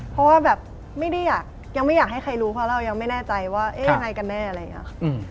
เพราะว่าแบบไม่ได้อยากยังไม่อยากให้ใครรู้เพราะเรายังไม่แน่ใจว่าเอ๊ะยังไงกันแน่อะไรอย่างนี้ค่ะ